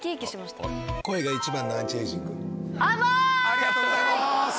ありがとうございます。